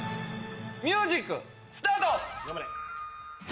ミュージックスタート！